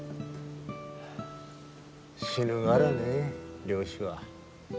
死ぬがらね漁師は。